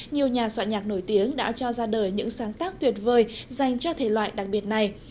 nhiều nhà soạn nhạc nổi tiếng đã cho ra đời những sáng tác tuyệt vời dành cho thể loại đặc biệt này